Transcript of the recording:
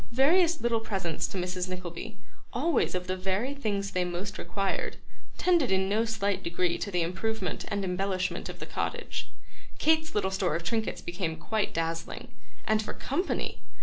Various little presents to Mrs. Nickleby, always of the very things they most required, tended in no slight degree to the improvement and embellishment of the cottage. Kate's little store of trinkets became quite dazzling; and for company!